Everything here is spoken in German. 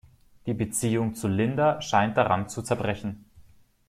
Die Beziehung zu Linda scheint daran zu zerbrechen.